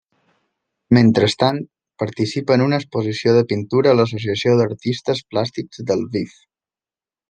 Mentrestant, participa en una exposició de pintura a l'Associació d'Artistes Plàstics de Lviv.